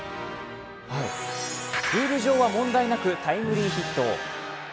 ルール上は問題なくタイムリーヒット。